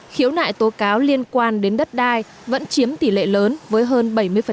khiếu nại tố cáo liên quan đến đất đai vẫn chiếm tỷ lệ lớn với hơn bảy mươi